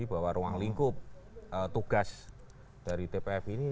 bahwa ruang lingkup tugas dari tpf ini